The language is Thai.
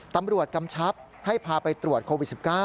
กำชับให้พาไปตรวจโควิด๑๙